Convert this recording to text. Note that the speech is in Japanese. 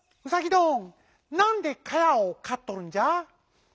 どんなんでかやをかっとるんじゃ？」。